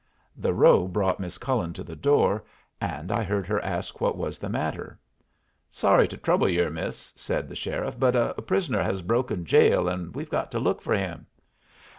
The row brought Miss Cullen to the door, and I heard her ask what was the matter. "Sorry to trouble yer, miss," said the sheriff, "but a prisoner has broken jail, and we've got to look for him."